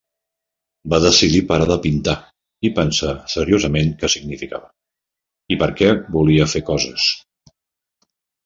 Va decidir parar de pintar i pensar seriosament que significava, i perquè volia fer coses.